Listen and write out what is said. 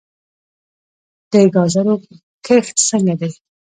د ګازرو کښت څنګه دی؟